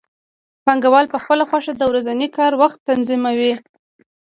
پانګوال په خپله خوښه د ورځني کار وخت تنظیموي